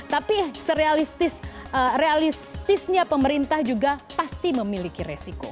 tapi realistisnya pemerintah juga pasti memiliki resiko